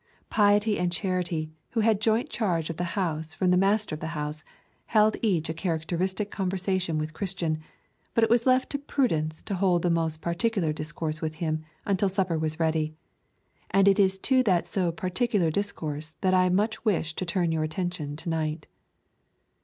Piety and Charity, who had joint charge of the house from the Master of the house, held each a characteristic conversation with Christian, but it was left to Prudence to hold the most particular discourse with him until supper was ready, and it is to that so particular discourse that I much wish to turn your attention to night.